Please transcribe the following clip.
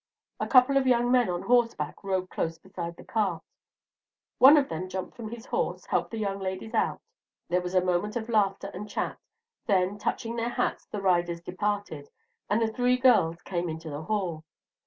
A couple of young men on horseback rode close beside the cart. One of them jumped from his horse, helped the young ladies out, there was a moment of laughter and chat; then, touching their hats, the riders departed, and the three girls came into the hall.